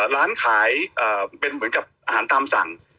ร้านขายเป็นเหมือนกับอาหารตามสั่ง